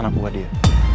anak buah dia